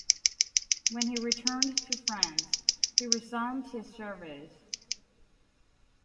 When he returned to France, he resumed his service.